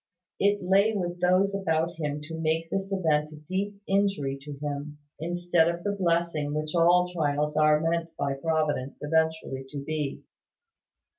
It lay with those about him to make this event a deep injury to him, instead of the blessing which all trials are meant by Providence eventually to be.